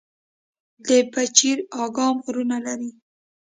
د پچیر اګام غرونه لري